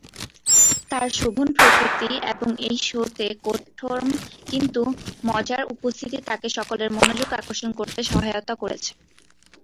তার শোভন প্রকৃতি এবং এই শো-তে কঠোর কিন্তু মজার উপস্থিতি তাকে সকলের মনোযোগ আকর্ষণ করতে সহায়তা করেছে।